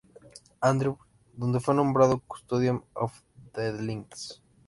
Andrews, donde fue nombrado "custodian of the links".